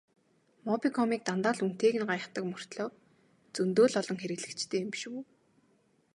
Мобикомыг дандаа л үнэтэйг нь гайхдаг мөртөө зөндөө л олон хэрэглэгчтэй юм биш үү?